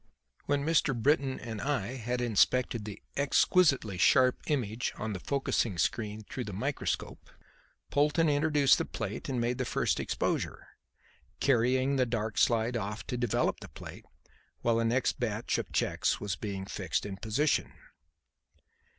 When Mr. Britton and I had inspected the exquisitely sharp image on the focusing screen through the microscope, Polton introduced the plate and made the first exposure, carrying the dark slide off to develop the plate while the next batch of cheques was being fixed in position.